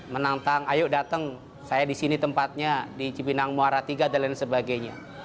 menantang ayo datang saya di sini tempatnya di cipinang muara tiga dan lain sebagainya